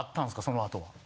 そのあとは。